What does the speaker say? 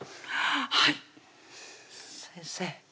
はい先生